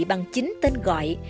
bằng chính tên gọi